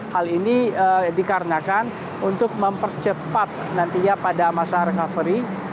hal ini dikarenakan untuk mempercepat nantinya pada masa recovery